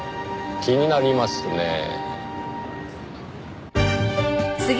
気になりますねぇ。